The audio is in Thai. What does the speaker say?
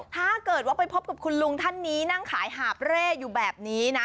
ถ้าเกิดว่าไปพบกับคุณลุงท่านนี้นั่งขายหาบเร่อยู่แบบนี้นะ